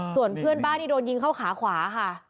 ส่วนเพื่อนบ้านที่โดนยิงเข้าขาขวาค่ะ